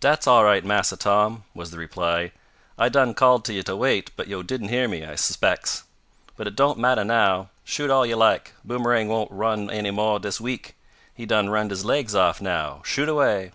"Dat's all right, Massa Tom," was the reply. "I done called t' you t' wait, but yo' didn't heah me, I 'spects. But it doan't mattah, now. Shoot all yo' laik, Boomerang won't run any mo' dis week. He done runned his laigs off now. Shoot away!"